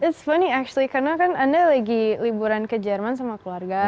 it's funny actually karena kan anda lagi liburan ke jerman sama keluarga